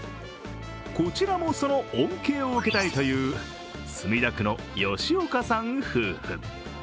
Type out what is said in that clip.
こちらも、その恩恵を受けたいという墨田区の吉岡さん夫婦。